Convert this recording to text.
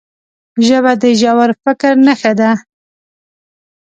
ژبه د ژور فکر نښه ده